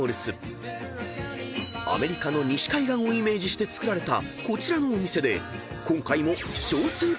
［アメリカの西海岸をイメージして造られたこちらのお店で今回も］